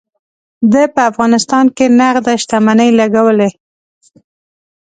ده په افغانستان کې نغده شتمني لګولې.